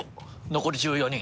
残り１４人。